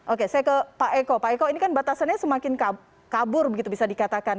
oke saya ke pak eko pak eko ini kan batasannya semakin kabur begitu bisa dikatakan